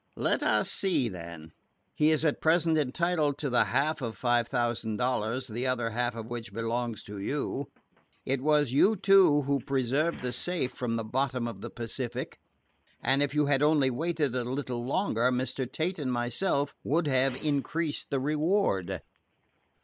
"Let us see, then. He is at present entitled to the half of five thousand dollars, the other half of which belongs to you. It was you two who preserved the safe from the bottom of the Pacific, and if you only had waited a little longer, Mr. Tate and myself would have increased the reward."